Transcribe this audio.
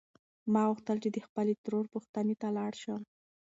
ما غوښتل چې د خپلې ترور پوښتنې ته لاړ شم.